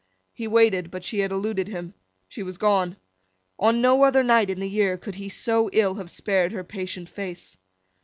He waited, but she had eluded him. She was gone. On no other night in the year could he so ill have spared her patient face.